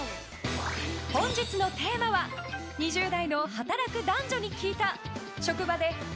本日のテーマは２０代の働く男女に聞いた職場で？？？